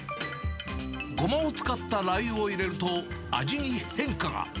ゴマを使ったラー油を入れると味に変化が。